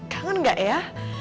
kangen gak ya